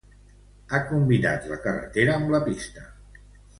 Ha combinat la carretera amb la pista.